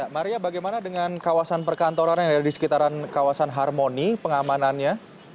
maria bagaimana dengan kawasan perkantoran yang ada di sekitaran kawasan harmoni pengamanannya